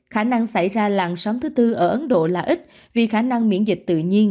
khả năng xảy ra làn sóng thứ tư ở ấn độ là ít vì khả năng miễn dịch tự nhiên